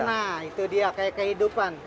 nah itu dia kayak kehidupan